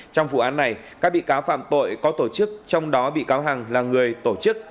trong vụ án này các bị cáo phạm tội có tổ chức trong đó bị cáo hằng là người tổ chức